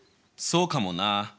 そうかもな。